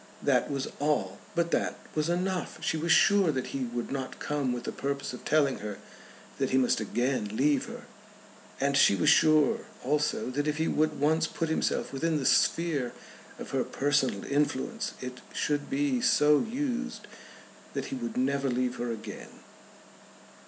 That was all, but that was enough. She was sure that he would not come with the purpose of telling her that he must again leave her. And she was sure also that if he would once put himself within the sphere of her personal influence it should be so used that he would never leave her again.